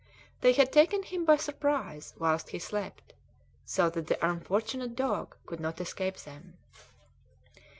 They had taken him by surprise whilst he slept, so that the unfortunate dog could not escape them.